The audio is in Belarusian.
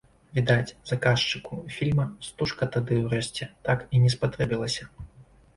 Відаць, заказчыку фільма стужка тады ўрэшце так і не спатрэбілася.